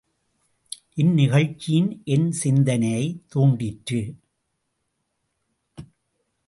இந்நிகழ்ச்சி என் சிந்தனையைத் தூண்டிற்று.